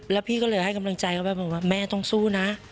แล้วพี่ก็เลยให้กำลังใจเขาไปบอกว่าแม่ต้องสู้นะ